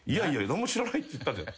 何も知らないって言ったじゃん。